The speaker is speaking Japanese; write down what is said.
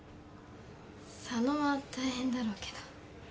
佐野は大変だろうけど。